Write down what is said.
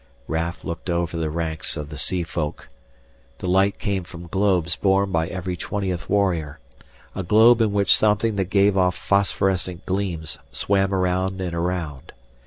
Raf looked over the ranks of the sea folk. The light came from globes borne by every twentieth warrior, a globe in which something that gave off phosphorescent gleams swam around and around.